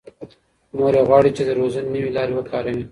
مور یې غواړي چې روزنې نوې لارې وکاروي.